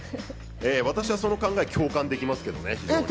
私はその考え共感できますけどね。